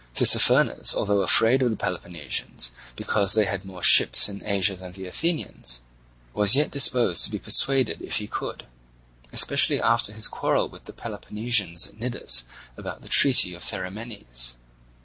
Tissaphernes, although afraid of the Peloponnesians because they had more ships in Asia than the Athenians, was yet disposed to be persuaded if he could, especially after his quarrel with the Peloponnesians at Cnidus about the treaty of Therimenes.